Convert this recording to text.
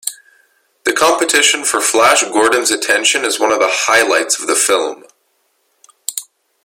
The competition for Flash Gordon's attention is one of the highlights of the film.